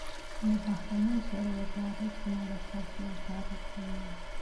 د بهرنیو چارو وزارت زما د خوښي وزارت دی.